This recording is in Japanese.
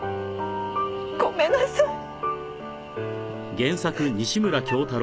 ごめんなさい。